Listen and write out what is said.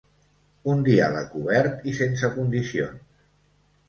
Un diàleg obert i sense condicions.